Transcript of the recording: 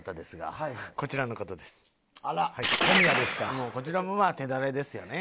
もうこちらもまあ手だれですよね。